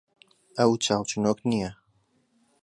ئەو چاوچنۆک نییە.